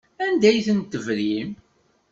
Anda ay ten-tebrim?